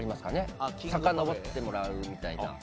さかのぼってもらうみたいな。